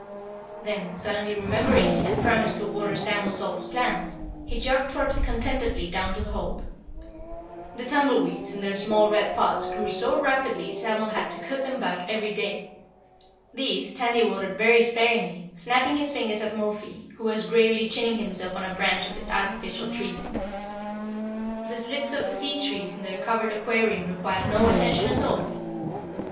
Then, suddenly remembering he had promised to water Samuel Salt's plants, he jog trotted contentedly down to the hold. The tumbleweeds in their small red pots grew so rapidly Samuel had to cut them back every day. These Tandy watered very sparingly, snapping his fingers at Mo fi, who was gravely chinning himself on a branch of his artificial tree. The slips of the sea trees in their covered aquarium required no attention at all.